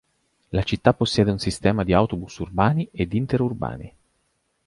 La città possiede un sistema di autobus urbani ed interurbani.